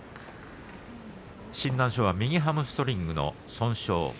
診断書は右ハムストリングの損傷。